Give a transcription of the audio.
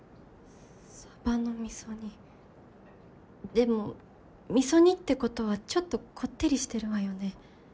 でも味噌煮ってことはちょっとこってりしてるわよね？